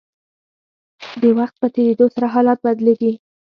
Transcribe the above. د وخت په تیریدو سره حالات بدلیږي.